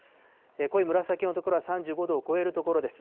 濃い紫色の所は３５度を超える所です。